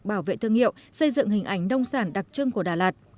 bảo vệ thương hiệu xây dựng hình ảnh nông sản đặc trưng của đà lạt